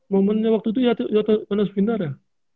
momennya waktu itu yonest vinar ya